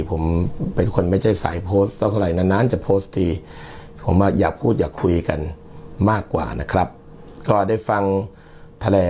ผมเป็นคนเป็นคนไม่ใส่โพสต์ต้องหรือไหล